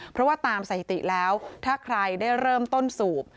เพราะว่าตามสถิติแล้วถ้าใครได้เริ่มต้นสูบ